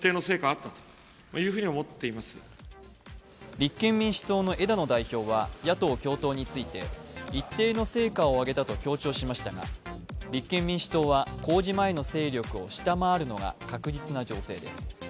立憲民主党の枝野代表は野党共闘について一定の成果を挙げたと強調しましたが、立憲民主党は公示前の勢力を下回るのが確実な情勢です。